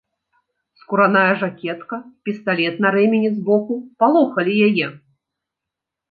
Скураная жакетка, пісталет на рэмені з боку палохалі яе.